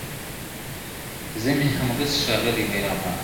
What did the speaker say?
زه مي هغسي ښاغلی بیرغ غواړم ,